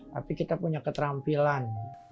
tapi kita punya keterampilan